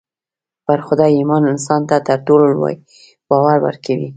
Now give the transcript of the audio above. پر خدای ايمان انسان ته تر ټولو لوی باور ورکوي.